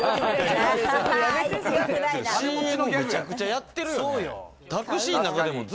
ＣＭむちゃくちゃやってるよね。